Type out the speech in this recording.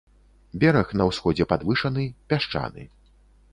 Бераг на ўсходзе падвышаны, пясчаны.